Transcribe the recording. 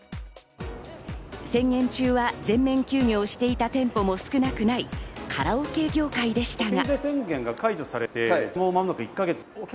宣言中は全面休業していた店舗も少なくないカラオケ業界でしたが。